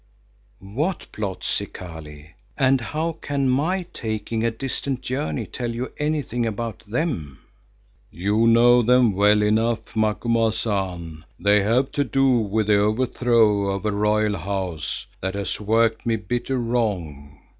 "What plots, Zikali, and how can my taking a distant journey tell you anything about them?" "You know them well enough, Macumazahn; they have to do with the overthrow of a Royal House that has worked me bitter wrong.